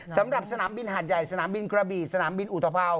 สำหรับสนามบินหาดใหญ่กระบี่อุทพ่อ